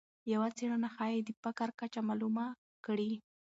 یوه څېړنه ښایي د فقر کچه معلومه کړي.